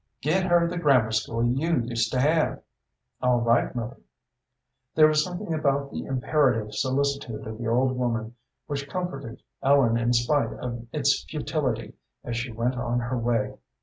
"Get her the grammar school you used to have." "All right, mother." There was something about the imperative solicitude of the old woman which comforted Ellen in spite of its futility as she went on her way.